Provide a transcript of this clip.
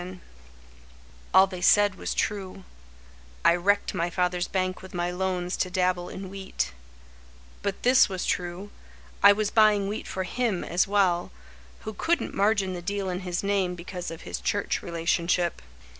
Ralph Rhodes All they said was true: I wrecked my father's bank with my loans To dabble in wheat; but this was true— I was buying wheat for him as well, Who couldn't margin the deal in his name Because of his church relationship.